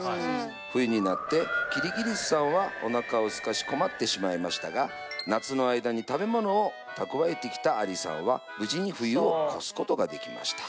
冬になってキリギリスさんはおなかをすかし困ってしまいましたが夏の間に食べ物を蓄えてきたアリさんは無事に冬を越すことができました。